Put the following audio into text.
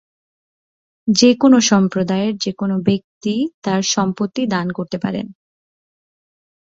যে কোন সম্প্রদায়ের যে কোন ব্যক্তি তার সম্পত্তি দান করতে পারেন।